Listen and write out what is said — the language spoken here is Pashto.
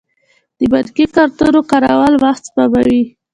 د بانکي کارتونو کارول وخت سپموي.